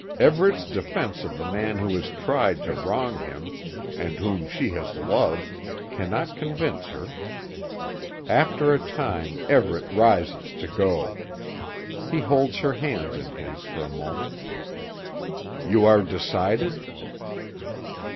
Everet's defence of the man who has tried to wrong him, and whom she has loved, cannot convince her. After a time Everet rises to go. He holds her hands in his for a moment: "You are decided?"